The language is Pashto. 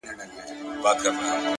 د کوټې دننه رڼا د بهر تیاره نرموي.